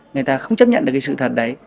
người ta không chấp nhận được cái sự thật đấy